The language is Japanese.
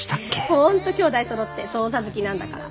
本当きょうだいそろって捜査好きなんだから。